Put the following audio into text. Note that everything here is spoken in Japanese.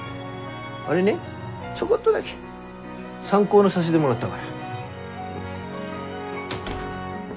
あれねちょこっとだけ参考にさしでもらったがや。